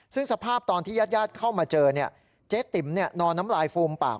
ซึ่งสภาพตอนที่ญาติญาติเข้ามาเจอเจ๊ติ๋มนอนน้ำลายฟูมปาก